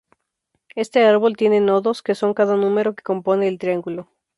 Este "árbol" tiene nodos, que son cada número que compone el triángulo.